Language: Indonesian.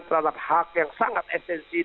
terhadap hak yang sangat esensif